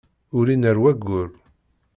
Ulin ar wayyur.